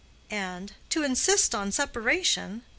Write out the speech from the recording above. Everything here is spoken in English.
And to "insist on separation!"